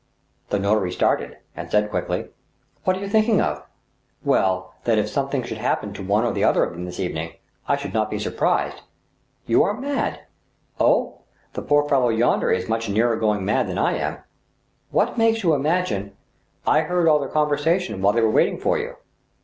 The notary started and said, quickly :" What are you thinking of ?*'" Well, that if something should happen to one or other of them this evening, I should not be surprised." " You are mad !"" Oh ! the poor fellow yonder is much nearer going mad than I am!" " What makes you imagine. ..?" "I heard all their conversation while they were waiting for you."